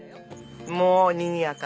もうにぎやか。